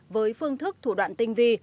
với phương thức thủ đoạn tinh vi